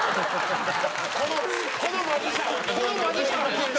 このマジシャン